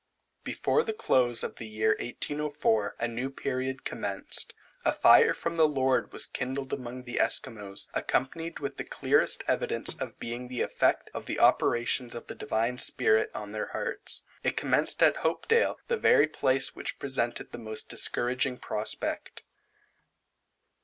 Before the close of the year 1804, a new period commenced. A fire from the Lord was kindled among the Esquimaux, accompanied with the clearest evidence of being the effect of the operations of the divine Spirit on their hearts. It commenced at Hopedale, the very place which presented the most discouraging prospect.